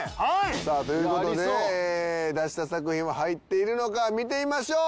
さあという事で出した作品は入っているのか見てみましょう！